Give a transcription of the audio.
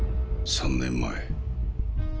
３年前。